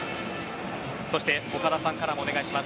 そして岡田さんからもお願いします。